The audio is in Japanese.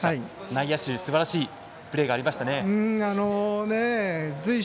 内野手、すばらしいプレーがありましたね。